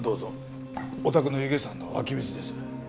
おたくの弓削山の湧き水です。